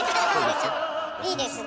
いいですね